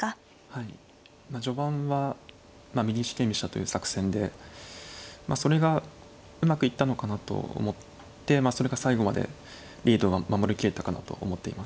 はい序盤は右四間飛車という作戦でそれがうまくいったのかなと思ってそれが最後までリードを守りきれたかなと思っています。